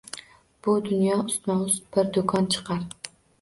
Bu dunyo ustma-ust bir do‘kon chiqar